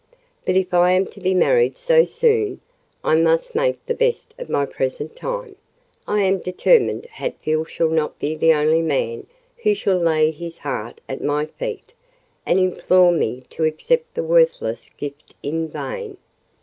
But if I am to be married so soon, I must make the best of the present time: I am determined Hatfield shall not be the only man who shall lay his heart at my feet, and implore me to accept the worthless gift in vain."